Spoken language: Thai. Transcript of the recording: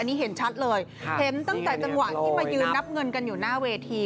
นี่เห็นชัดเลยเห็นตั้งแต่จังหวะที่มายืนนับเงินกันอยู่หน้าเวที